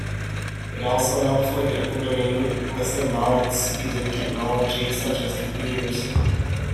It also helps when implementing Blissymbolics using technology such as computers.